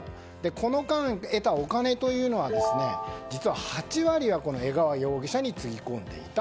この間、得たお金というのは実は８割は江川容疑者につぎ込んでいた。